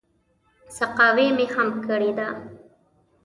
سقاوي مې هم کړې ده.